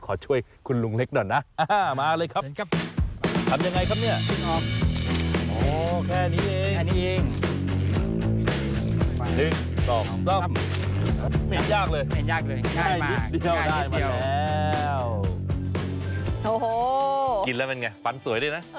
ฟันม่วงเฉยคุณยังไม่แว่งฟันหรอ